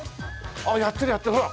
ああやってるやってるほら！